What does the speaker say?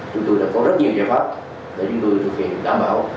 chúng tôi đã có rất nhiều giải pháp để chúng tôi thực hiện đảm bảo